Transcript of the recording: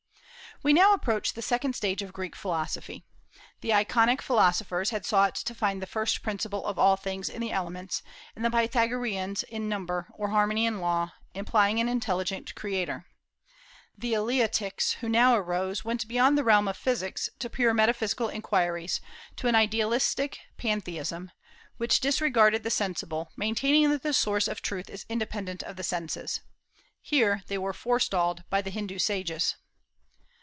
We now approach the second stage of Greek philosophy. The Ionic philosophers had sought to find the first principle of all things in the elements, and the Pythagoreans in number, or harmony and law, implying an intelligent creator. The Eleatics, who now arose, went beyond the realm of physics to pure metaphysical inquiries, to an idealistic pantheism, which disregarded the sensible, maintaining that the source of truth is independent of the senses. Here they were forestalled by the Hindu sages.